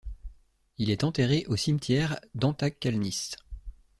Il est enterré au cimetière d'Antakalnis.